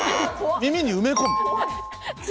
耳に埋め込む。